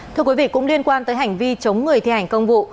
thưa quý vị cũng liên quan tới hành vi chống người thi hành công vụ